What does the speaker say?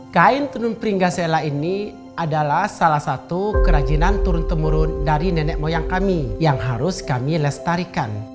kain tenun pringga sela ini adalah salah satu kerajinan turun temurun dari nenek moyang kami yang harus kami lestarikan